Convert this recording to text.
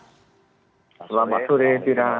selamat sore tina